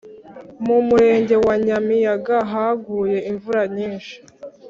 Mu murenge wa nyamiyaga haguye imvura nyinshi